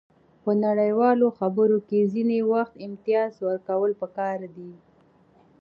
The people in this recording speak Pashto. په نړیوالو خبرو کې ځینې وخت امتیاز ورکول پکار دي